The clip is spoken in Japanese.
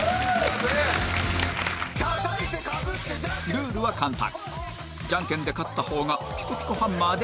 ルールは簡単